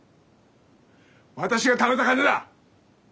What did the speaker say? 私がためた金だ！